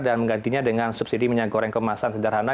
dan menggantinya dengan subsidi minyak goreng kemasan sederhana